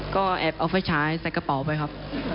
ก็แอบเอาไฟฉายใส่กระเป๋าไปครับ